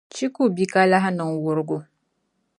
Chi ku bi ka lahi niŋ wurugu